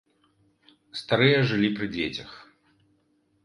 Старыя жылі пры дзецях.